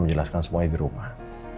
menjelaskan semuanya di rumah